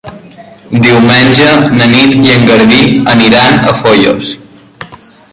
Diumenge na Nit i en Garbí aniran a Foios.